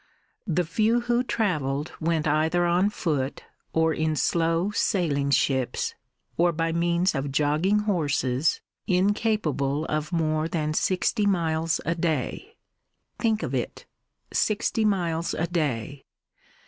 The few who travelled went either on foot, or in slow sailing ships, or by means of jogging horses incapable of more than sixty miles a day. Think of it! sixty miles a day.